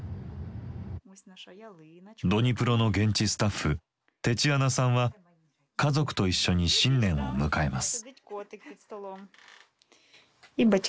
ドニプロの現地スタッフテチアナさんは家族と一緒に新年を迎えます。